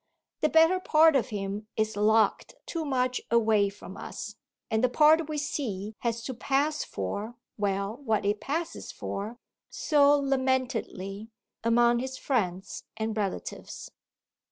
The better part of him is locked too much away from us, and the part we see has to pass for well, what it passes for, so lamentedly, among his friends and relatives.